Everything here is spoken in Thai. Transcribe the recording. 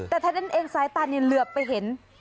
แต่ท่านนั้นเองซ้ายตาเหลือบไปเห็น